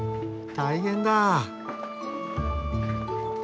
大変だぁ。